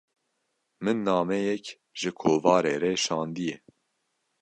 min nameyek ji kovarê re şandiye.